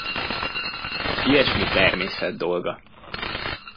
Az ilyesmi természet dolga.